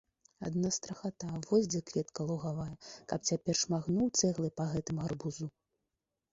Адна страхата, вось дзе кветка лугавая, каб цяпер шмаргануў цэглай па гэтым гарбузу.